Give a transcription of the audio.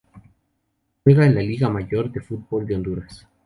Juega en la Liga Mayor de Fútbol de Honduras.